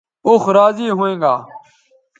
اوخ راضی ھوینگا